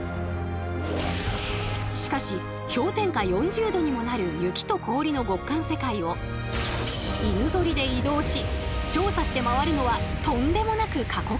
しかし氷点下４０℃にもなる雪と氷の極寒世界を犬ぞりで移動し調査して回るのはとんでもなく過酷だそうで。